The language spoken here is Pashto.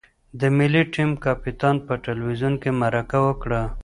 د ملي ټیم کپتان په تلویزیون کې مرکه وکړه.